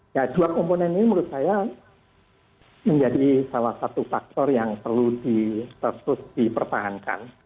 ya dua komponen ini menurut saya menjadi salah satu faktor yang perlu terus dipertahankan